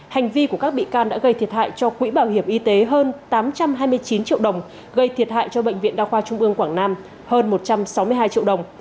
hành vi của các bị can đã gây thiệt hại cho quỹ bảo hiểm y tế hơn tám trăm hai mươi chín triệu đồng gây thiệt hại cho bệnh viện đa khoa trung ương quảng nam hơn một trăm sáu mươi hai triệu đồng